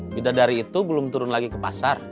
bidadari itu belum turun lagi ke pasar